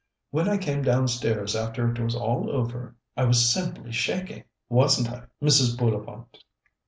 When I came downstairs after it was all over I was simply shaking, wasn't I, Mrs. Bullivant?"